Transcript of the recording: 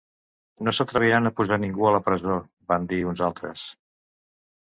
No s’atreviran a posar ningú a la presó, van dir uns altres.